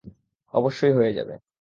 অবশ্যই হয়ে যাবে।